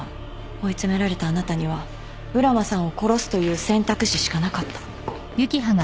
追い詰められたあなたには浦真さんを殺すという選択肢しかなかった。